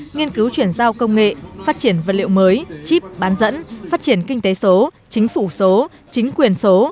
nghiên cứu chuyển giao công nghệ phát triển vật liệu mới chip bán dẫn phát triển kinh tế số chính phủ số chính quyền số